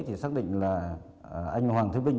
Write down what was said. thì xác định là anh hoàng thế vinh